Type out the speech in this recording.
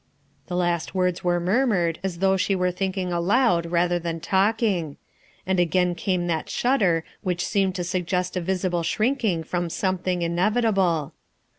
The last words were murmured, as though she were thinking aloud rather than talking; and again came that shudder which seemed to suggest a visible shrinking from something in evitable.